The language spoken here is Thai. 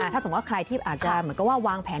ถ้าสมมติว่าใครที่อาจจะวางแผล